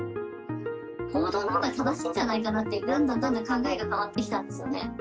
報道のほうが正しいんじゃないかなって、だんだんだんだん考えが変わってきたんですよね。